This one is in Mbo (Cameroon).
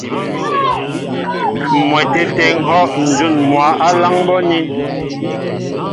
M̀mwɛtê tê ŋ̀hɔ́ ǹjún mwǎ á láŋ bɔ́ anín.